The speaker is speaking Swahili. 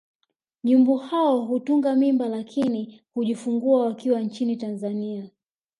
Nyumbu hao hutunga mimba lakini hujifungua wakiwa nchini Tanzania